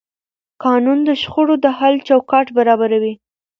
قانون د شخړو د حل چوکاټ برابروي.